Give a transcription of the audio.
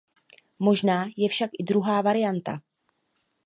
Možná je však i druhá varianta.